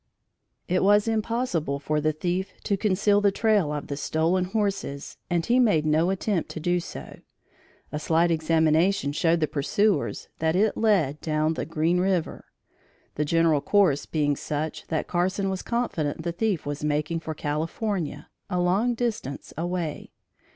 It was impossible for the thief to conceal the trail of the stolen horses and he made no attempt to do so. A slight examination showed the pursuers that it led down the Green River, the general course being such that Carson was confident the thief was making for California a long distance away.